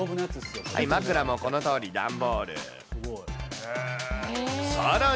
枕もこのとおり、段ボール。